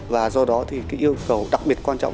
và do đó thì cái yêu cầu đặc biệt quan trọng